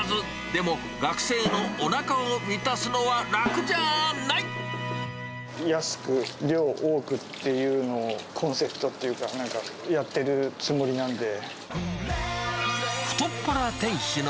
でも、学生のおなかを満たすのは安く、量多くっていうのをコンセプトっていうか、なんかやってるつもりなんで。